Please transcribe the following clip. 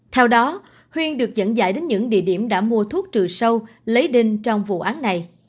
theo đó huyên được dẫn dải đến những địa điểm đã mua thuốc trừ sâu lấy đinh trong vụ án này